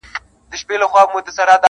راته بدي یې ښکاریږي کږې غاړي-